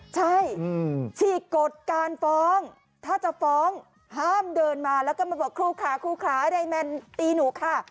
ใช่ฉีกกฎการฟ้องถ้าจะฟ้องห้ามเดินมาแล้วก็มาบอกครูขาครูขาใดแมนตีหนูค่ะ